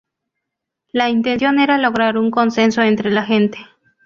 La intención era lograr un consenso entre la gente.